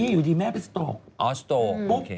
อยู่ดีแม่เป็นสโต๊ก